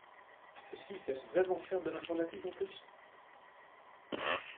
Cette fille sait vraiment faire de l’informatique, en plus?